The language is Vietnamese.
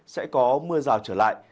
sẽ có mưa rào trở lại